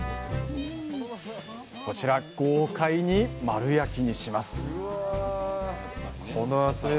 こちら豪快に丸焼きにします！